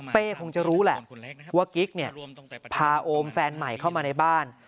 คงจะรู้แหละว่ากิ๊กเนี่ยพาโอมแฟนใหม่เข้ามาในบ้าน